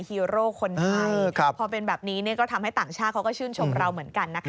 ฮีโร่คนไทยพอเป็นแบบนี้ก็ทำให้ต่างชาติเขาก็ชื่นชมเราเหมือนกันนะคะ